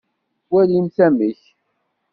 Walimt amek.